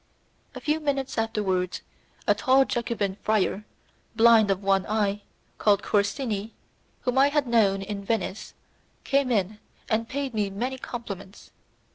A few minutes afterwards, a tall Jacobin friar, blind of one eye, called Corsini, whom I had known in Venice, came in and paid me many compliments.